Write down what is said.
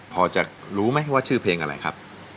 พอจะรู้ไหมว่าชื่อเพลงอะไรครับ